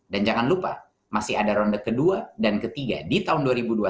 dan jangan lupa masih ada ronde kedua dan ketiga di tahun dua ribu dua puluh satu